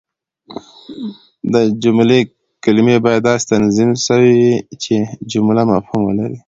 د جملې کلیمې باید داسي تنظیم سوي يي، چي جمله مفهوم ولري.